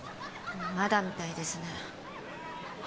まだみたいですね